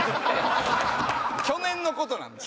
去年の事なんです。